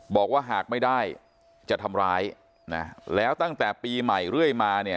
บอกว่าหากไม่ได้จะทำร้ายนะแล้วตั้งแต่ปีใหม่เรื่อยมาเนี่ย